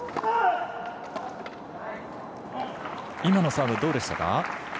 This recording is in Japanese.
今のサーブ、どうでしたか。